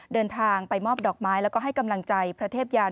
เดินทางไปมอบดอกไม้แล้วก็ให้กำลังใจพระเทพยาน